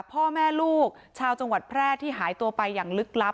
พ่อแม่ลูกชาวจังหวัดแพร่ที่หายตัวไปอย่างลึกลับ